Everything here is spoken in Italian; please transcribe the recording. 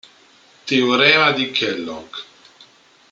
Teorema di Kellogg